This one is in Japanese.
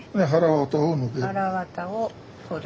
はらわたを取る。